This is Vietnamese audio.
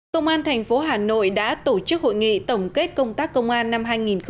công an thành phố hà nội đã tổ chức hội nghị tổng kết công tác công an năm hai nghìn hai mươi ba